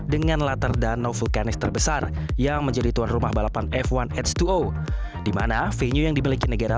dan no vulkanis terbesar yang menjadi tuan rumah balapan f satu s dua o dimana venue yang dimiliki negara